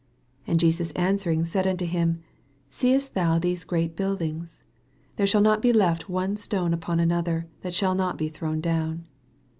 2 And Jesus answering said unto him, Seest thou these great build ings ? there shall not be left one stone upon another, that shall not be thrown down.